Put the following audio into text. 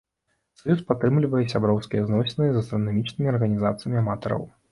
Саюз падтрымлівае сяброўскія зносіны з астранамічнымі арганізацыямі аматараў.